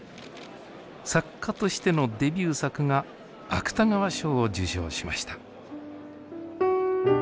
作家としてのデビュー作が芥川賞を受賞しました。